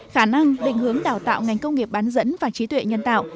khả năng định hướng đào tạo ngành công nghiệp bán dẫn và trí tuệ nhân tạo